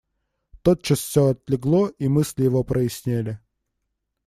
Тотчас же всё отлегло, и мысли его прояснели.